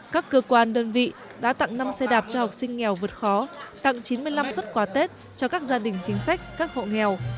các cơ quan đơn vị đã tặng năm xe đạp cho học sinh nghèo vượt khó tặng chín mươi năm xuất quà tết cho các gia đình chính sách các hộ nghèo